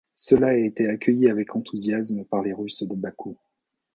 Cela a été accueilli avec enthousiasme par les Russes de Bakou.